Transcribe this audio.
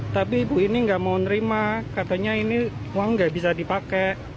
tapi ibu ini nggak mau nerima katanya ini uang nggak bisa dipakai